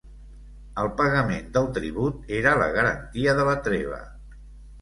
El pagament del tribut era la garantia de la treva.